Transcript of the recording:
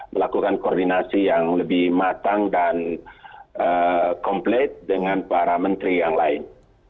melakukan koordinasi yang lebih matang dan komplit dengan para menteri yang lain